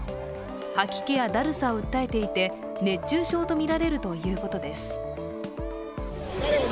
吐き気やだるさを訴えていて熱中症とみられるということです。